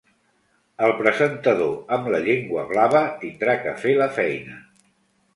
El presentador amb la llengua blava tindrà que fer la feina.